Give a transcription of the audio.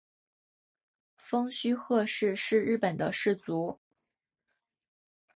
蜂须贺氏是日本的氏族。